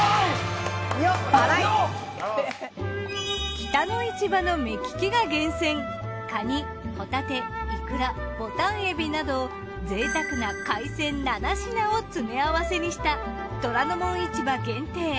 北の市場の目利きが厳選カニホタテいくらぼたん海老などぜいたくな海鮮７品を詰め合わせにした『虎ノ門市場』限定